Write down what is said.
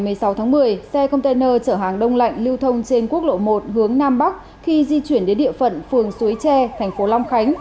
một mươi bốn h ngày một mươi sáu tháng một mươi xe container chở hàng đông lạnh lưu thông trên quốc lộ một hướng nam bắc khi di chuyển đến địa phận phường suối tre thành phố long khánh